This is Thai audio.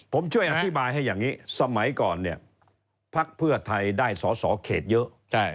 ผมช่วยอธิบายให้อย่างนี้สมัยก่อนเนี่ยพักเพื่อไทยได้สอสอเขตเยอะ